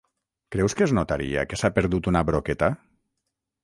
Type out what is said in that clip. Creus que es notaria que s'ha perdut una broqueta?